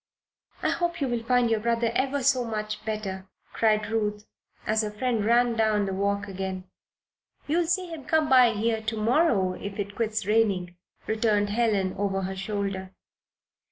"I hope you will find your brother ever so mach better," cried Ruth, as her friend ran down the walk again. "You'll see him come by here to morrow, if it quits raining," returned Helen, over her shoulder.